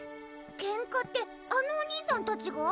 けんかってあのお兄さんたちが？